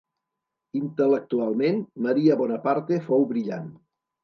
Intel·lectualment Maria Bonaparte fou brillant.